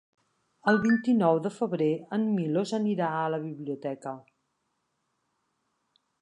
El vint-i-nou de febrer en Milos anirà a la biblioteca.